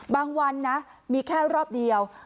วันนะมีแค่รอบเดียว